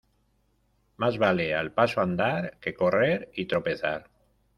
Más vale al paso andar que correr y tropezar.